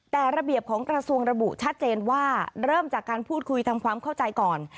แต่ระเบียบของกระทรวงระบุชัดเจนว่าเริ่มจากการพูดคุยทำความเข้าใจก่อน